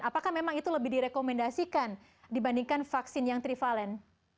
apakah memang itu lebih direkomendasikan dibandingkan vaksin yang trivalen